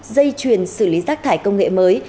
dây truyền xử lý rác thải công nghệ mới